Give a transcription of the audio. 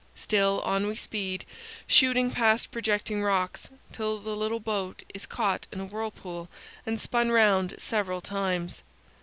Still on we speed, shooting past projecting rocks, till the little boat is caught in a whirlpool and spun round several times.